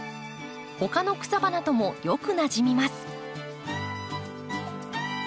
他の草花ともよくなじみます。